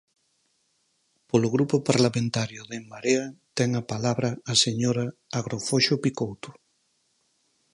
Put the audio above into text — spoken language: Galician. Polo Grupo Parlamentario de En Marea, ten a palabra a señora Agrafoxo Picouto.